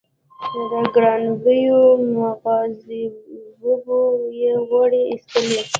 له ګرانبیو مغزبابو یې غوړي اېستل.